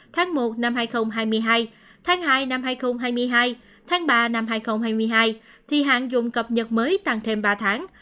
tháng một năm hai nghìn hai mươi hai tháng hai năm hai nghìn hai mươi hai tháng ba năm hai nghìn hai mươi hai thì hàng dùng cập nhật mới tăng thêm ba tháng